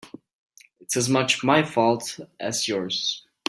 It's as much my fault as yours.